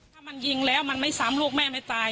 ถ้ามันยิงแล้วมันไม่สามารถโลกแม่ก็ไม่ตาย